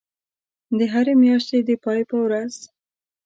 د هری میاشتی د پای په ورځ